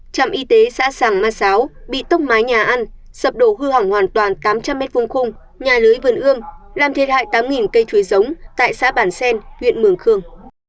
trạm y tế xã sàng ma sáo bị tốc mái nhà ăn sập đổ hư hỏng hoàn toàn tám trăm linh m hai nhà lưới vườn ương làm thiệt hại tám cây chuối giống tại xã bản xen huyện mường khương